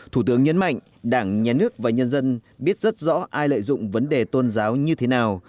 thủ tướng nhấn mạnh đảng nhà nước và nhân dân biết rất rõ ai lợi dụng vấn đề tôn giáo như thế nào